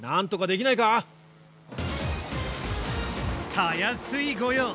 たやすい御用！